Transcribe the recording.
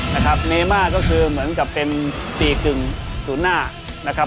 นะครับเนม่าก็คือเหมือนกับเป็นสี่กึ่งศูนย์หน้านะครับ